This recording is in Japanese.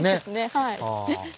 はい。